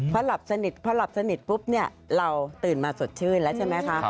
พอหลับสนิทพอหลับสนิทปุ๊บเนี่ยเราตื่นมาสดชื่นแล้วใช่ไหมคะ